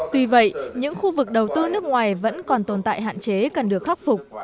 tuy vậy những khu vực đầu tư nước ngoài vẫn còn tồn tại hạn chế cần được khắc phục